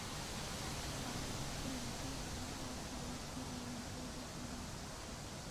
Fascist تحریکوں کے اور خواص بھی بیان کیے جاتے ہیں۔